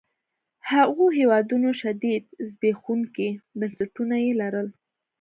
هغو هېوادونو شدید زبېښونکي بنسټونه يې لرل.